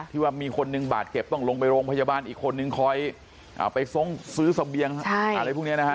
ว่ามีคนหนึ่งบาดเจ็บต้องลงไปโรงพยาบาลอีกคนนึงคอยไปทรงซื้อเสบียงอะไรพวกนี้นะฮะ